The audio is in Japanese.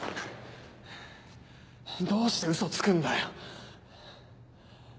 どうしてウソつくんだよ？